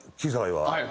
はい。